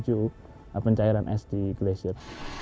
jadi kita harus mencari pencairan es di glasier